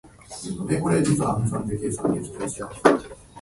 寝るときにおやすみなさい。